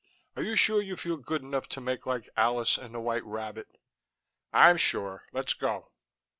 Are you sure you feel good enough to make like Alice and the White Rabbit?" "I'm sure. Let's go."